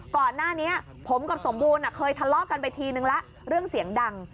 ก่อนหน้านี้ผมกับสมบูรณ์เคยทะเลาะกันไปทีนึงแล้วเรื่องเสียงดัง